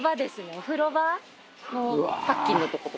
お風呂場のパッキンのとことか。